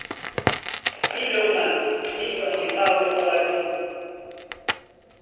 Í lómá mísɔnji máō ó wásē.